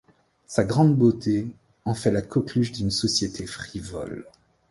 Sa grande beauté en fait la coqueluche d'une société frivole.